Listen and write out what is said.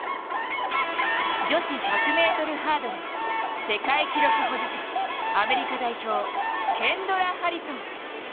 女子１００ｍハードル、世界記録保持者、アメリカ代表ケンドラ・ハリソン。